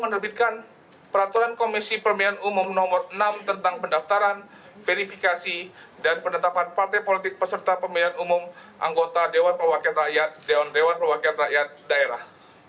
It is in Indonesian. dan menerbitkan peraturan komisi pemilihan umum nomor enam tentang pendaftaran verifikasi dan pendatapan partai politik peserta pemilihan umum anggota dewan perwakilan rakyat daerah